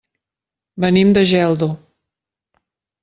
Venim de Geldo.